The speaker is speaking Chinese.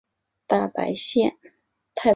太白线